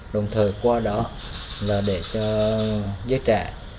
đồng thời qua đó là để cho giới trạng